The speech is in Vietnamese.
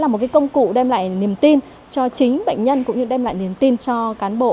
là một cái công cụ đem lại niềm tin cho chính bệnh nhân cũng như đem lại niềm tin cho cán bộ